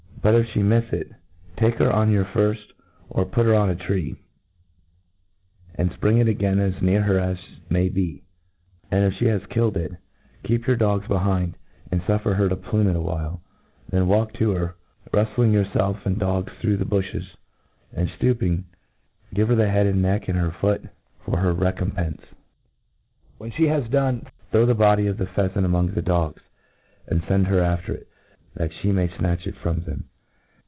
But, if fhc mifs it, take her on your firfl, or put her on a tree, and fpring it again as near her as may be; and if fhe has killed it, keep your dogs behind, and fuffer her to plume it a white. Then walk to her, rufliing yourfelf and dog$ through the bufhcs ; and, flooping, gJvc her the head and neck in her foot for her rccompencc, Whca Ihc has done, throw the body of the F f pheafant 226 A T RE ATISE OF pheafant among the dogs, and fend her after it^ that flie may fnatch it from them.